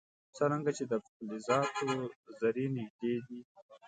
څرنګه چې د فلزاتو ذرې نژدې دي.